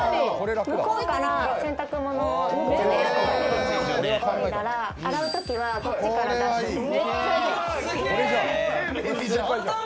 向こうから洗濯物を脱いで、脱いだら洗うときはこっちから出すっていう。